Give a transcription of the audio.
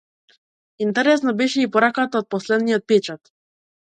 Интересна беше и пораката од последниот печат.